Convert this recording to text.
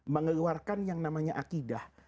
mengeluarkan yang namanya akidah